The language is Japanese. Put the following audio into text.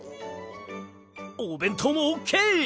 おべんとうもオッケー！